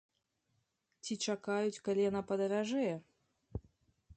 Ці чакаюць, калі яна падаражэе.